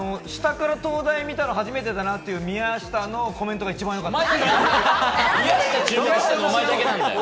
下から灯台を見たの初めてだなぁという宮下のコメントが一番よかった。